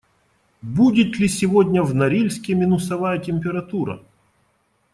Будет ли сегодня в Норильске минусовая температура?